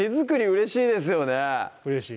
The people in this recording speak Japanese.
うれしいですね